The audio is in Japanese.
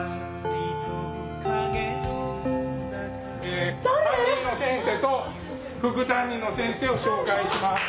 え担任の先生と副担任の先生を紹介します。